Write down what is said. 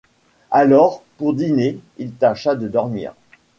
Alors, pour dîner, il tâcha de dormir.